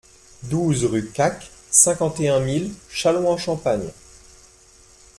douze rue Caque, cinquante et un mille Châlons-en-Champagne